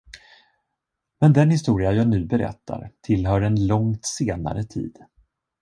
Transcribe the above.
Men den historia jag nu berättar, tillhör en långt senare tid.